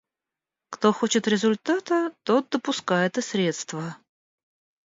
Кто хочет результата, тот допускает и средства.